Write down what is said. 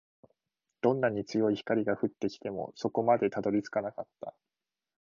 どんなに強い光が降ってきても、底までたどり着かなかった